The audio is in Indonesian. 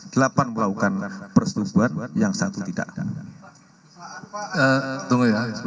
delapan melakukan persetubuhan yang satu tidak ada